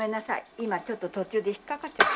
今ちょっと途中で引っ掛かっちゃった。